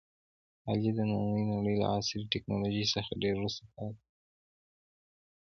علي د نننۍ نړۍ له عصري ټکنالوژۍ څخه ډېر وروسته پاتې دی.